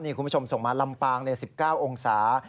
คุณผู้ชมส่งมาลำปาง๑๙องศา